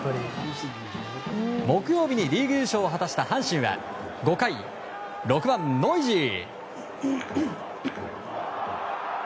木曜日にリーグ優勝を果たした阪神は５回、６番、ノイジー。